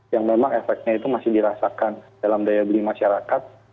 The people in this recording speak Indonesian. yang memang efeknya itu masih dirasakan dalam daya beli masyarakat